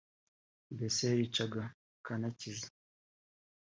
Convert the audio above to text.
mbese yaricaga akanacyiza